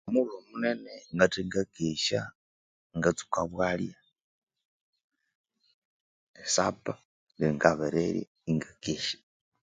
Omughulhu omunene ngathe nakesya ngatsuka bwalya esappa ingabirirya inga kesya